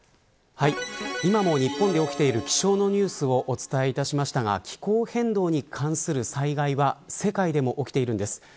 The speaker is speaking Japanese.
今も日本で起きている気象のニュースをお伝えいたしましたが気候変動に関する災害は世界でも起きているんです。